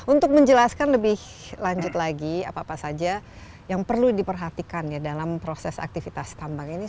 untuk menjelaskan lebih lanjut lagi apa apa saja yang perlu diperhatikan ya dalam proses aktivitas tambang ini